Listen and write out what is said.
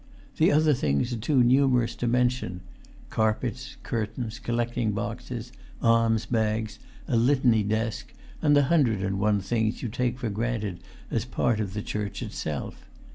The other things are too numerous to mention—carpets, curtains, collecting boxes, alms bags, a Litany desk, and the hundred and one things you take for granted as part of the church itself.